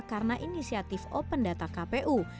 karena inisiatif open data kpu